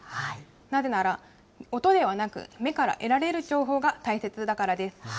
なぜなら、音ではなく目から得られる情報が大切だからです。